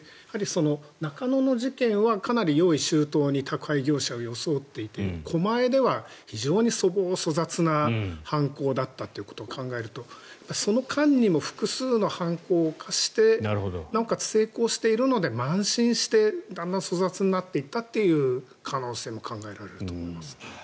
中野の事件はかなり用意周到に宅配業者を装っていて狛江では非常に粗暴、粗雑な犯行だったということを考えるとその間にも複数の犯行を犯してなおかつ成功しているので慢心してだんだん粗雑になっていったという可能性が考えらえると思います。